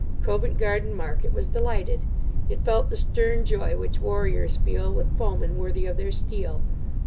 Covent Garden market was delighted. It felt the stern joy which warriors feel with foemen worthy of their steel.